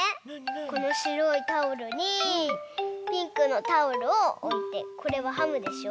このしろいタオルにピンクのタオルをおいてこれはハムでしょ！